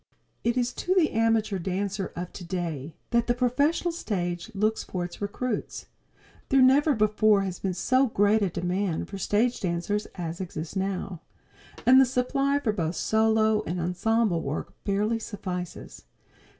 It is to the amateur dancer of today that the professional stage looks for its recruits. There never before has been so great a demand for stage dancers as exists now, and the supply for both solo and ensemble work barely suffices.